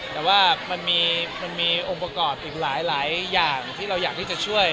แต่ว่ามันมีองค์ประกอบอีกหลายอย่างที่เราอยากที่จะช่วย